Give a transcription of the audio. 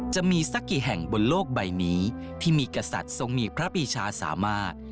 จะมีสักกี่แห่งบนโลกใบนี้ที่มีกษัตริย์ทรงมีพระปีชาสามารถ